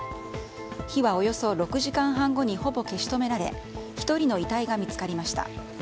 火はおよそ６時間半後にほぼ消し止められ１人の遺体が見つかりました。